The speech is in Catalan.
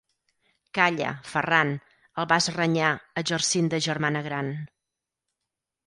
Calla, Ferran –el vas renyar, exercint de germana gran.